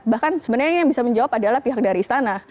bahkan sebenarnya yang bisa menjawab adalah pihak dari istana